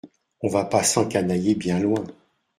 On va pas s’encanailler bien loin.